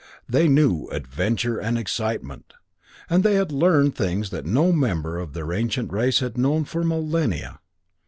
They knew Adventure and Excitement, and they had learned things that no member of their ancient race had known for millennia.